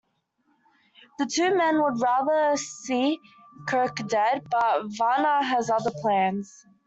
The two men would rather see Kirk dead, but Vanna has other plans.